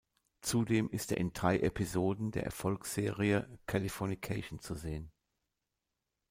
Zudem ist er in drei Episoden der Erfolgsserie "Californication" zu sehen.